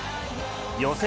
予選